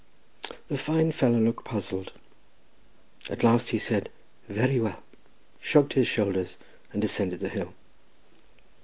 The fine fellow looked puzzled; at last he said, "Very well," shrugged his shoulders, and descended the hill.